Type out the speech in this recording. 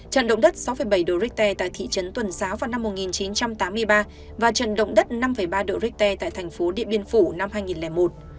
trận động đất sáu bảy độ richter tại thị trấn tuần giáo vào năm một nghìn chín trăm tám mươi ba và trận động đất năm ba độ richter tại thành phố điện biên phủ năm hai nghìn một